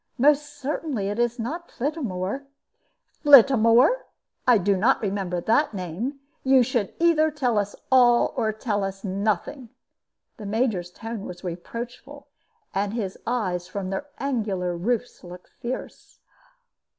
Most certainly it is not Flittamore." "Flittamore! I do not remember that name. You should either tell us all or tell us nothing." The Major's tone was reproachful, and his eyes from their angular roofs looked fierce.